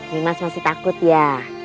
nimas masih takut ya